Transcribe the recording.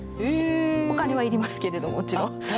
お金は要りますけれどもちろん。